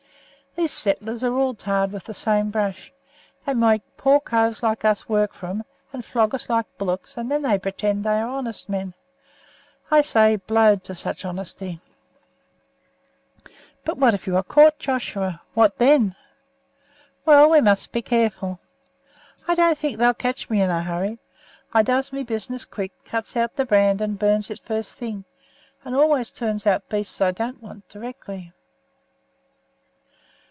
These settlers are all tarred with the same brush; they make poor coves like us work for 'em, and flog us like bullocks, and then they pretend they are honest men. I say be blowed to such honesty." "But if you are caught, Joshua, what then?" "Well, we must be careful. I don't think they'll catch me in a hurry. You see, I does my business quick: cuts out the brand and burns it first thing, and always turns out beasts I don't want directly."